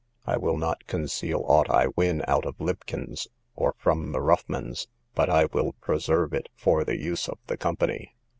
I will not conceal aught I win out of libkins, or from the ruffmans, but I will preserve it for the use of the company.